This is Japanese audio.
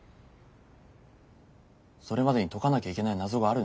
それまでに解かなきゃいけない謎があるんだ。